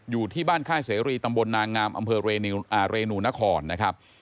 อยู่ที่บ้านค่ายเสรีตำบลนางงามอำเภอเรนูนครนะครับ